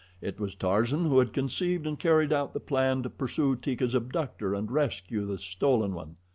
It was Tarzan who had conceived and carried out the plan to pursue Teeka's abductor and rescue the stolen one.